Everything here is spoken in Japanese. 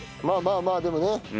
まあまあまあでもね